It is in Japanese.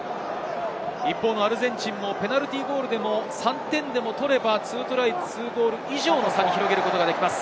一方のアルゼンチンも、ペナルティーゴールでも３点でも取れば、２トライ２ゴール以上の差に広げることができます。